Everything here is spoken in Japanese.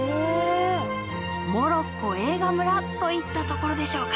「モロッコ映画村」といったところでしょうか。